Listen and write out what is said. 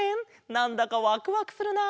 なんだかワクワクするな。